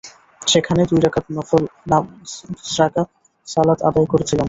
সেখানে দুই রাকাত সালাত আদায় করছিলাম।